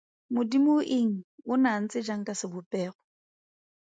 Modimoeng o ne a ntse jang ka sebopego.